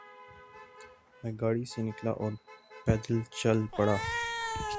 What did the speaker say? میں گاڑی سے نکلا اور پیدل چل پڑا۔